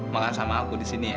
malah sama aku di sini ya